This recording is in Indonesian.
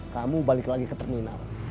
kamu balik lagi ke terminal